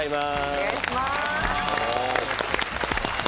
お願いします。